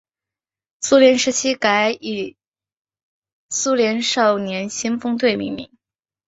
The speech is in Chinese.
苏联时期改以苏联少年先锋队命名。